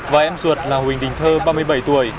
và em ruột là huỳnh đình thơ ba mươi bảy tuổi